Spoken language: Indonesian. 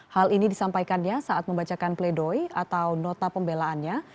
hal ini disampaikannya saat membacakan pledoi atau nota pembelaannya